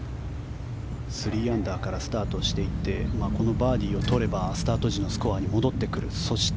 ３アンダーからスタートしていってこのバーディーを取ればスタート時の点数に戻ってくる。